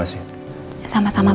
kamu lawan program occasional